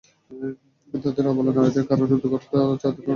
তাদের অবলা নারীদের কারারুদ্ধ করত আর তাদের ধনসম্পদ ছিনিয়ে নিত।